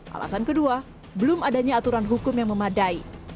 alasan kedua belum adanya aturan hukum yang memadai